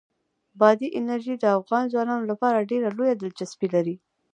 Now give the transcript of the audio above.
بادي انرژي د افغان ځوانانو لپاره ډېره لویه دلچسپي لري.